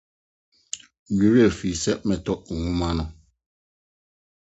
Me werɛ fii sɛ metɔɔ nhoma no.